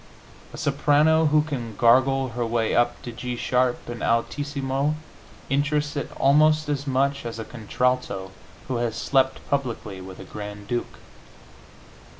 A soprano who can gargle her way up to G sharp in altissimo interests it almost as much as a contralto who has slept publicly with a grand duke.